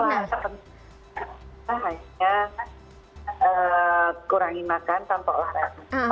kita hanya kurangi makan tanpa olahraga